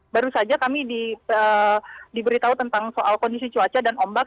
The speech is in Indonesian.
baru saja kami diberitahu tentang soal kondisi cuaca dan ombak